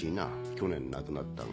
去年亡くなったが。